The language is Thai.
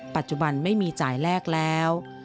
ปัจจุบันไม่มีจ่ายแลกแล้ว